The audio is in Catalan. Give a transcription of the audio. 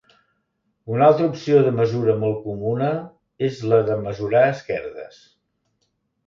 Una altra opció de mesura molt comuna, és la de mesurar esquerdes.